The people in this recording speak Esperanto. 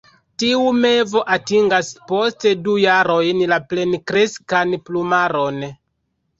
Tiu mevo atingas post du jarojn la plenkreskan plumaron.